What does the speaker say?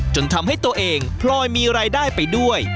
จนทำให้ตัวเองพลอยมีรายได้ไปด้วย